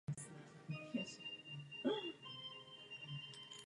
Kdo by chtěl být převážen v takových podmínkách?